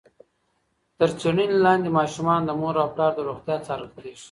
تر څېړنې لاندې ماشومان د مور او پلار د روغتیا څارل کېږي.